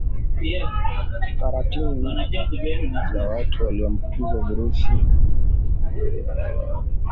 karantini za watu waliombukizwa virusi vya ziliznzishwa